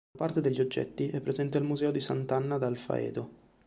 Una parte degli oggetti è presente al Museo di Sant'Anna d'Alfaedo.